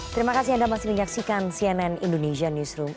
terima kasih anda masih menyaksikan cnn indonesia newsroom